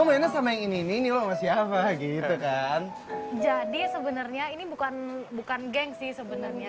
main sama ini nih lo masih apa gitu kan jadi sebenarnya ini bukan bukan geng sih sebenarnya